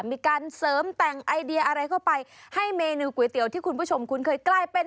มีการเสริมแต่งไอเดียอะไรเข้าไปให้เมนูก๋วยเตี๋ยวที่คุณผู้ชมคุ้นเคยกลายเป็น